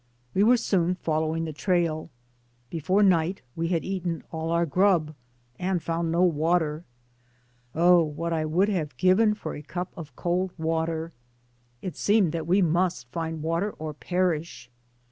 We were soon following the trail. Before night we had eaten all our grub, and found no water. Oh, what would I have given for a cup of cold water? It seemed that we must find water or perish.